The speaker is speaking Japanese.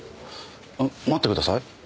待ってください。